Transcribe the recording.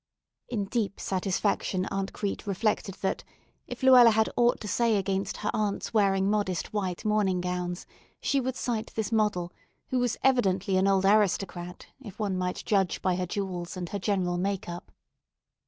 In deep satisfaction Aunt Crete reflected that, if Luella had aught to say against her aunt's wearing modest white morning gowns, she would cite this model, who was evidently an old aristocrat if one might judge by her jewels and her general make up.